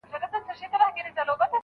زما پر خوار پوستين جگړه وه د زوى مړو